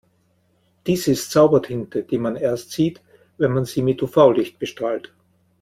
Dies ist Zaubertinte, die man erst sieht, wenn man sie mit UV-Licht bestrahlt.